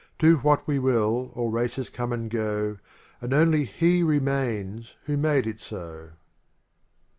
Do what wc will, all races come and go, And only He remains who made it so.